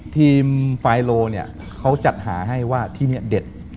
ไฟโลเนี่ยเขาจัดหาให้ว่าที่นี่เด็ด